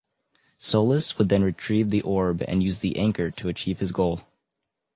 Solas would then retrieve the orb and use the Anchor to achieve his goal.